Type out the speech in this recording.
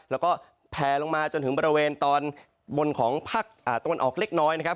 แล้วก็แพลลงมาจนถึงบริเวณตอนบนของภาคตะวันออกเล็กน้อยนะครับ